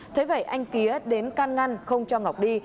thế vậy anh kía đến căn ngăn không cho ngọc đi